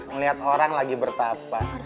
ngeliat orang lagi bertapa